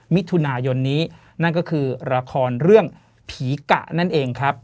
มิถุนายนนี้นั่นก็คือละครเรื่องผีกะนั่นเองครับ